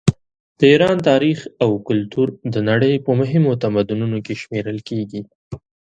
د ایران تاریخ او کلتور د نړۍ په مهمو تمدنونو کې شمېرل کیږي.